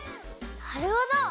なるほど！